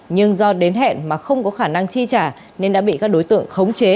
nhưng do đến hẹn mà không có khả năng chi trả nên đã bị các đối tượng khống chế